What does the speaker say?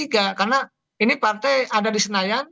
karena ini partai ada di senayan